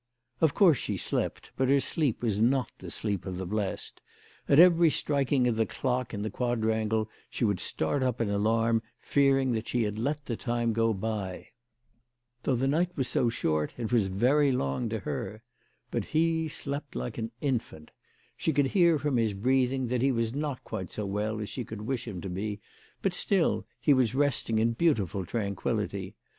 Of course she slept, but her sleep was not the sleep of the blest. At every striking of the clock in the quadrangle she would start up in alarm, fearing that she had let the time go by. Though the night was so CHKISTMAS AT THOMPSON HALL. 229 short it was very long to her. But he slept like an infant. She could hear from his breathing that he was not quite so well as she could wish him to be, but still he was resting in beautiful tranquillity.